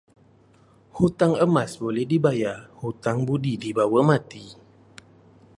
Hutang emas boleh dibayar, hutang budi dibawa mati.